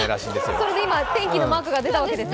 それで今、天気のマークが出たわけですね。